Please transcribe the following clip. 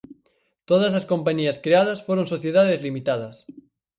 Todas as compañías creadas foron sociedades limitadas.